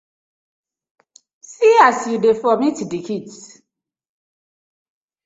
See as yu dey vomit dey kdis.